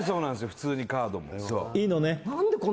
普通にカードもいいのね？